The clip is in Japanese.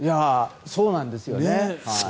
そうなんですよね。